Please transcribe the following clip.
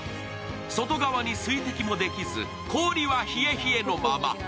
外側に水滴もできず、氷は冷え冷えのまま。